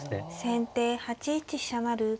先手８一飛車成。